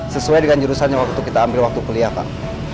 sesuai dengan jurusannya waktu kita ambil waktu kuliah pak